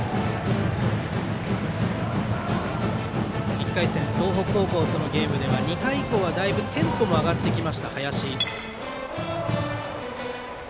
１回戦、東北高校とのゲームでは２回以降は、だいぶテンポも上がってきました林。